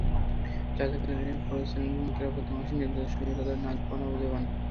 যাতে করে শ্রমিকেরা প্রতি মাসের নির্ধারিত সময়ে তাঁদের ন্যায্য পাওনা বুঝে পান।